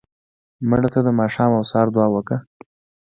مړه ته د ماښام او سهار دعا وکړه